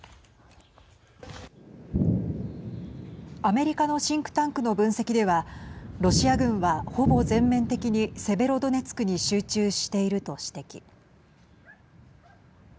アメリカのシンクタンクの分析ではロシア軍は、ほぼ全面的にセベロドネツクに集中していると指摘。